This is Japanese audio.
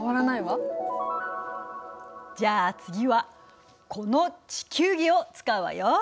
じゃあ次はこの地球儀を使うわよ。